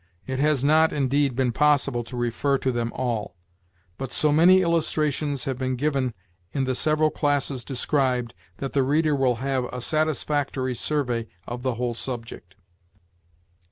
It has not, indeed, been possible to refer to them all; but so many illustrations have been given in the several classes described that the reader will have a satisfactory survey of the whole subject.